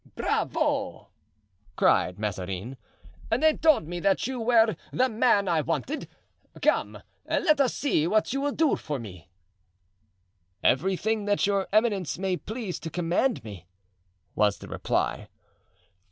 "Bravo!" cried Mazarin; "they told me that you were the man I wanted. Come, let us see what you will do for me." "Everything that your eminence may please to command me," was the reply.